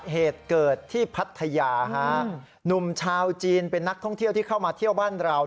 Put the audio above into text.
เหตุเกิดที่พัทยาฮะหนุ่มชาวจีนเป็นนักท่องเที่ยวที่เข้ามาเที่ยวบ้านเรา